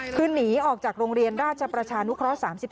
คือหนีออกจากโรงเรียนราชประชานุเคราะห์๓๔